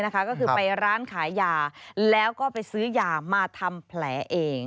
ก็คือไปร้านขายยาแล้วก็ไปซื้อยามาทำแผลเอง